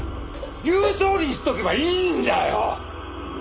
言うとおりにしとけばいいんだよ！